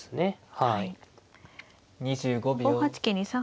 はい。